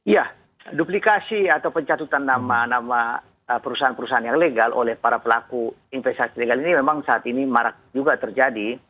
ya duplikasi atau pencatutan nama nama perusahaan perusahaan yang legal oleh para pelaku investasi legal ini memang saat ini marak juga terjadi